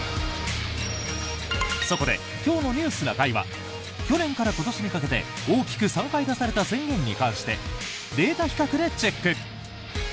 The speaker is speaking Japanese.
そこで今日の「ニュースな会」は去年から今年にかけて大きく３回出された宣言に関してデータ比較でチェック！